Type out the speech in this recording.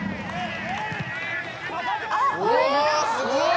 あすごい！